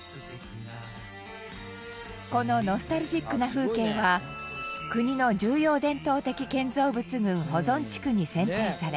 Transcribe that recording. このノスタルジックな風景は国の重要伝統的建造物群保存地区に選定され。